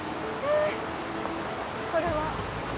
これは？